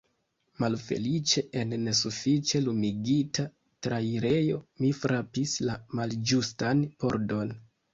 Malfeliĉe en nesufiĉe lumigita trairejo mi frapis la malĝustan pordon.